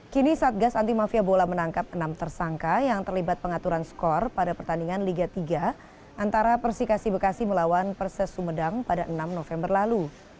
kini satgas anti mafia bola menangkap enam tersangka yang terlibat pengaturan skor pada pertandingan liga tiga antara persikasi bekasi melawan perses sumedang pada enam november lalu